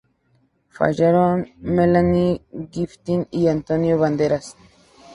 Fallaron Melanie Griffith y Antonio Banderas.